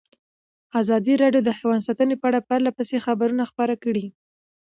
ازادي راډیو د حیوان ساتنه په اړه پرله پسې خبرونه خپاره کړي.